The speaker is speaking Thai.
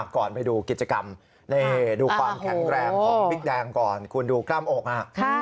ก่อนไปดูกิจกรรมนี่ดูความแข็งแรงของพริกแดงก่อนคุณดูกล้ามอกฮะ